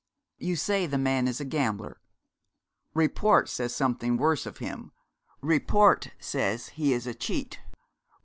'You say the man is a gambler?' 'Report says something worse of him. Report says he is a cheat.'